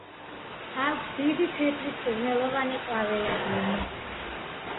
აქვს დიდი, თეთრი, სურნელოვანი ყვავილები.